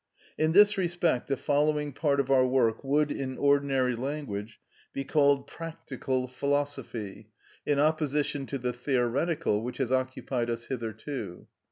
In this respect the following part of our work would, in ordinary language, be called practical philosophy, in opposition to the theoretical, which has occupied us hitherto.